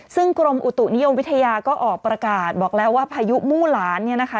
ซึ่งกรมอุตุนิยมวิทยาก็ออกประกาศบอกแล้วว่าพายุมู่หลานเนี่ยนะคะ